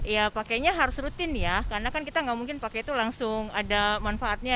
ya pakainya harus rutin ya karena kan kita nggak mungkin pakai itu langsung ada manfaatnya